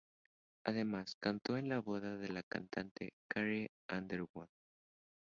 Además, cantó en la boda de la cantante Carrie Underwood.